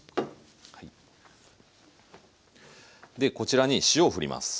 でこちらに塩をふります。